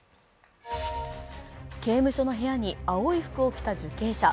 刑務所の部屋に青い服を着た受刑者。